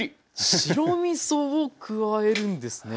白みそを加えるんですね。